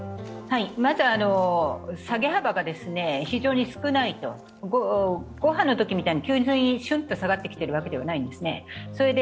まず、下げ幅が非常に少ないと５波のときみたいに急にシュンと下がってきているわけではないんですね。